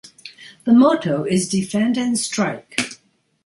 The motto is "Defend and Strike".